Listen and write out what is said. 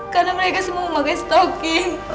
karena mereka semua memakai stoking